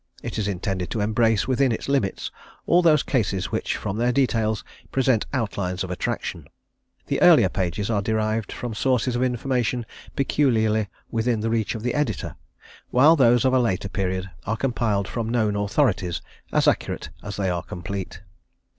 It is intended to embrace within its limits all those cases which from their details present outlines of attraction. The earlier pages are derived from sources of information peculiarly within the reach of the Editor, while those of a later period are compiled from known authorities as accurate as they are complete.